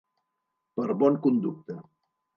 Per bon conducte.